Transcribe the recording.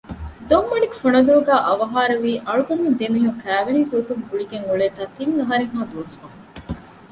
ދޮންމަނިކު ފުނަދޫގައި އަވަހާރަވީ އަޅުގަނޑުމެން ދެ މީހުން ކައިވެނީގެ ގޮތުން ގުޅިގެން އުޅޭތާ ތިން އަހަރެއްހާ ދުވަސް ފަހުން